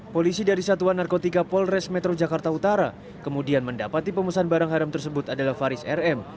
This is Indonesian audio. polisi dari satuan narkotika polres metro jakarta utara kemudian mendapati pemesan barang haram tersebut adalah faris rm